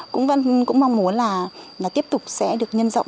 cũng mong muốn là tiếp tục sẽ được nhân rộng